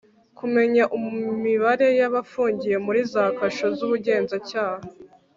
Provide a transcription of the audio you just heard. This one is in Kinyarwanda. kumenya imibare y abafungiye muri za kasho z ubugenzacyaha